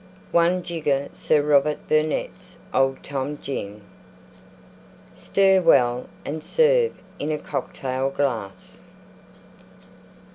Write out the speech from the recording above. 1 jigger Sir Robert Burnette's Old Tom Gin. Stir well and serve in a Cocktail glass.